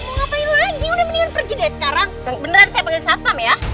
mau ngapain lagi udah mendingan pergi deh sekarang beneran saya pengen satpam ya